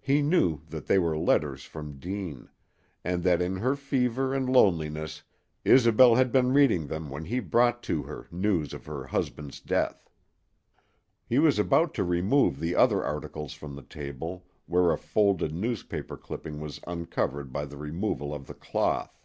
He knew that they were letters from Deane, and that in her fever and loneliness Isobel had been reading them when he brought to her news of her husband's death. He was about to remove the other articles from the table where a folded newspaper clipping was uncovered by the removal of the cloth.